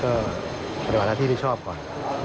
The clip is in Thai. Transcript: ก็ปฏิบัติหน้าที่นิชชอบก่อน๑๕๗ครับ